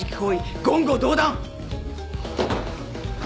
言語道断。